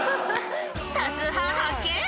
［多数派発見。